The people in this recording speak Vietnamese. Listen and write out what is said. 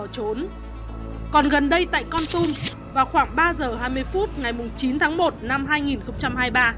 còn gần đây tại con tum vào khoảng ba giờ hai mươi phút ngày chín tháng một năm hai nghìn hai mươi ba